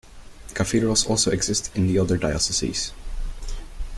Cathedrals also exist in the other dioceses.